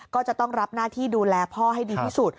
ก็จะต้องรับหน้าที่ดูแลพ่อให้ดีที่สุด